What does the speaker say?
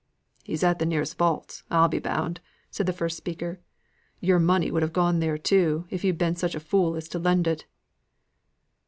"He's at the nearest vaults, I'll be bound," said the first speaker. "Your money would have gone there too, if you'd been such a fool as to lend it."